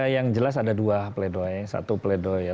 yang jelas ada dua play dohnya satu play dohnya